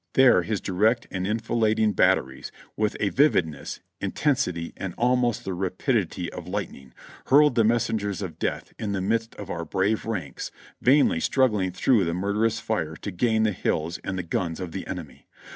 There his direct and enfilading bat teries, with a vividness, intensity and almost the rapidity of light ning, hurled the messengers of death in the midst of our brave ranks vainly struggling through the murderous fire to gain the hills and the guns of the enemy.